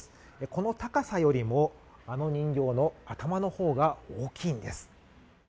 この高さよりもあの人形の頭の方が大きいんです。